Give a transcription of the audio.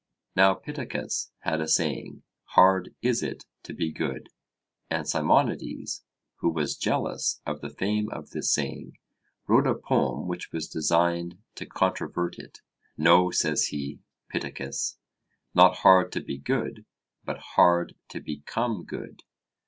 Now Pittacus had a saying, 'Hard is it to be good:' and Simonides, who was jealous of the fame of this saying, wrote a poem which was designed to controvert it. No, says he, Pittacus; not 'hard to be good,' but 'hard to become good.'